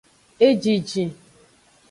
Ejijin.